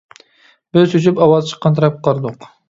بىز چۆچۈپ ئاۋاز چىققان تەرەپكە قارىدۇق.